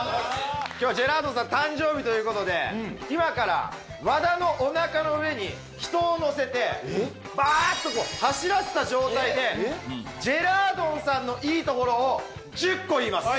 今日はジェラードンさん誕生日という事で今から和田のおなかの上に人をのせてバーッとこう走らせた状態でジェラードンさんのいいところを１０個言います。